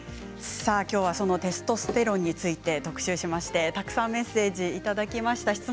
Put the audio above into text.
きょうはそのテストステロンについて特集しましてたくさんメッセージをいただきました。